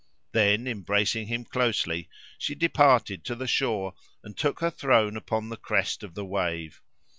Then, embracing him closely, she departed to the shore and took her throne upon the crest of the wave.